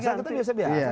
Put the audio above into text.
itu bisa biasa biasa